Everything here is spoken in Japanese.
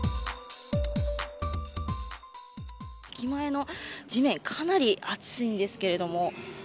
駅前の地面かなり熱いんですけれども。